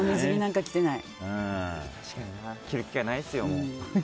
着る機会ないですよ、もう。